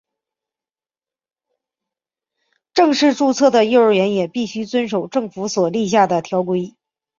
正式注册的幼儿园也必须遵守政府所立下的条规。